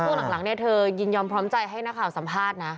ช่วงหลังเนี่ยเธอยินยอมพร้อมใจให้นักข่าวสัมภาษณ์นะ